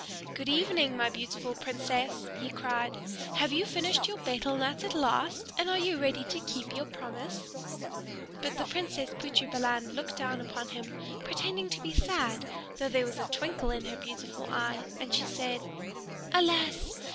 "Good evening, my beautiful Princess!" he cried. "Have you finished your betel nut at last, and are you ready to keep your promise?" But the Princess Putri Balan looked down at him, pretending to be sad, though there was a twinkle in her beautiful eye; and she said, "Alas!